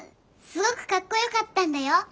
すごくかっこよかったんだよ。